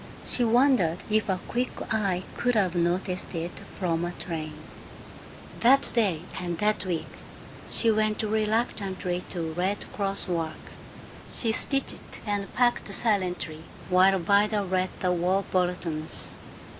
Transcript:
She wondered if a quick eye could have noticed it from a train. That day and that week she went reluctantly to Red Cross work; she stitched and packed silently, while Vida read the war bulletins.